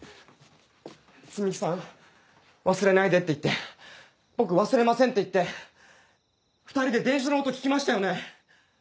摘木さん「忘れないで」って言って僕「忘れません」って言って２人で電車の音聞きましたよね。